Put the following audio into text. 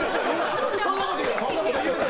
そんなこと言うな！